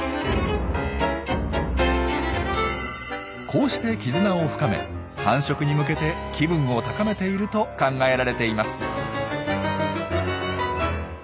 こうして絆を深め繁殖に向けて気分を高めていると考えられています。